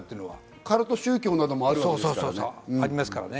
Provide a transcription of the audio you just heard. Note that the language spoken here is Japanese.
カルト宗教などもあるわけですからね。